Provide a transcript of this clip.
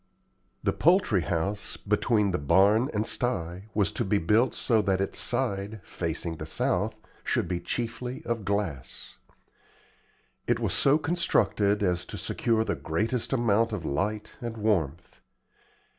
The poultry house, between the barn and sty, was to be built so that its side, facing the south, should be chiefly of glass. It was so constructed as to secure the greatest amount of light and warmth.